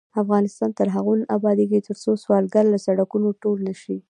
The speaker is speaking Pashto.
افغانستان تر هغو نه ابادیږي، ترڅو سوالګر له سړکونو ټول نشي.